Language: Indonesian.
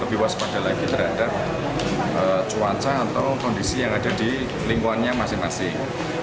lebih waspada lagi terhadap cuaca atau kondisi yang ada di lingkungannya masing masing